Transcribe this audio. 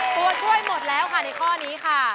ตัวช่วยหมดแล้วค่ะในข้อนี้ค่ะ